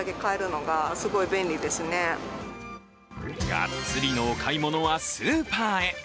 がっつりのお買い物はスーパーへ。